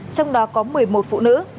trong đó có một mươi một phụ nữ